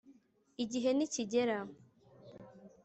Igihe nikigera